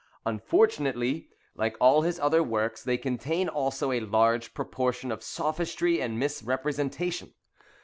Unfortunately, like all his other works, they contain also a large proportion of sophistry and misrepresentation.